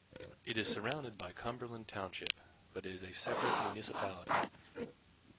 It is surrounded by Cumberland Township but is a separate municipality.